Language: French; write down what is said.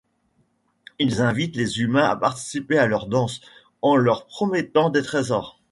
Ils invitent les humains à participer à leur danse en leur promettant des trésors.